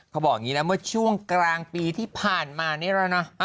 เขาบอกอย่างนี้นะเมื่อช่วงกลางปีที่ผ่านมานี่แล้วนะ